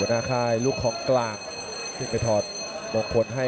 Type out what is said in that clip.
สวัสดิ์นุ่มสตึกชัยโลธสวัสดิ์